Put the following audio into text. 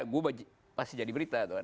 gue pasti jadi berita